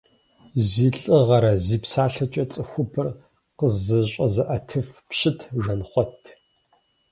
Зи лӏыгъэрэ зи псалъэкӏэ цӏыхубэр къызэщӏэзыӏэтэф пщыт Жэнхъуэт.